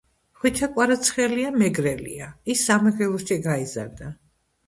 ხვიჩა კვარაცხელია მეგრელია.ის სამეგრელოში გაიზარდა